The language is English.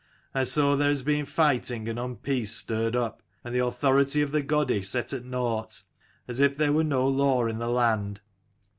And so there has been fighting and unpeace stirred up, and the authority of the godi set at nought, as if there were no law in the land.